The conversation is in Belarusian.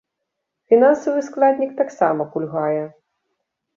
Фінансавы складнік таксама кульгае.